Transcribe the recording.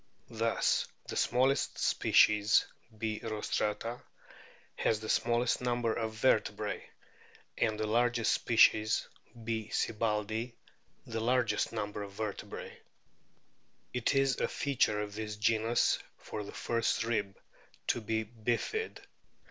Thus the smallest species B. rostrata has the smallest number of vertebrae, and the largest species B. sibbaldii the largest number of vertebrae. It is a feature of this genus for the first rib to be bifid.